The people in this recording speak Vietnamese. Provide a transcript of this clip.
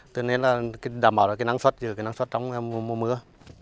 tuy nhiên là đảm bảo năng suất trong mùa mưa